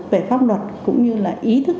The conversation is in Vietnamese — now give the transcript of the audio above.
về pháp luật cũng như là ý thức